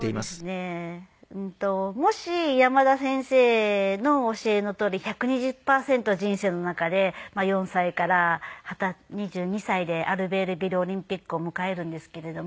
もし山田先生の教えのとおり１２０パーセント人生の中で４歳から２２歳でアルベールビルオリンピックを迎えるんですけれども。